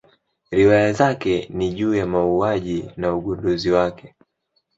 Riwaya zake ni juu ya mauaji na ugunduzi wake.